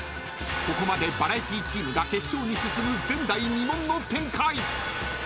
ここまでバラエティーチームが決勝に進む前代未聞の展開］